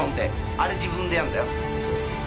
あれ自分でやんだよ。